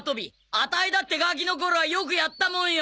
アタイだってガキの頃はよくやったもんよ。